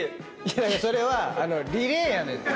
それはリレーやねんて。